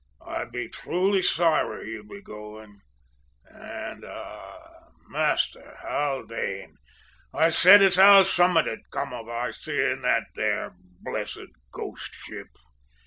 I be truly sorry you be goin', and ah, Master Haldane, I sed as how summet 'ud come of our seein' that there blessed ghost ship!"